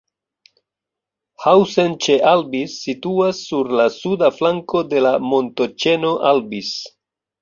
Hausen ĉe Albis situas sur la suda flanko de la montoĉeno Albis.